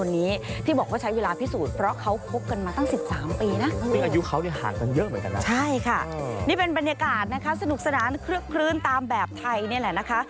นี่เป็นบรรยากาศนะคะสนุกสนานคลึกคลื้นตามแบบไทยนี่แหละนะคะ